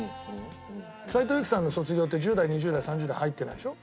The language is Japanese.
斉藤由貴さんの『卒業』って１０代２０代３０代入ってないでしょ。